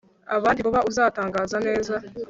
abandi vuba uzatangaza neza